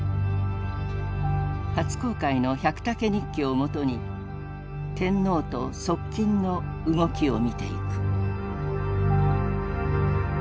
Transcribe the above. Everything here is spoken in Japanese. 初公開の「百武日記」をもとに天皇と側近の動きを見ていく。